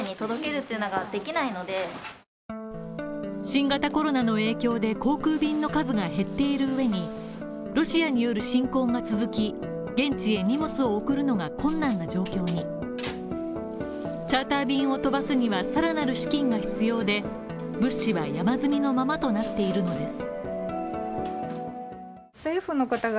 新型コロナの影響で航空便の数が減っている上に、ロシアによる侵攻が続き、現地へ荷物を送るのが困難な状況にチャーター便を飛ばすにはさらなる資金が必要で、物資は山積みのままとなっているのです。